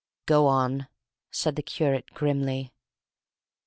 "Go on," said the curate, grimly.